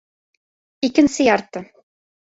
— Икенсе ярты